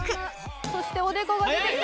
そしておでこが出てきて。